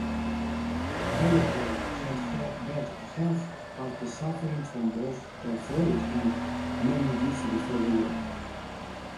Kelliher had bad health after suffering from both typhoid and meningitis before the war.